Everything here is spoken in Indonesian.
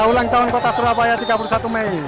ulang tahun kota surabaya tiga puluh satu mei